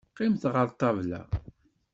Qqimet ɣer ṭṭabla.